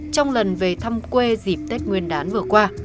trong lần về thăm quê dịp tết nguyên đán vừa qua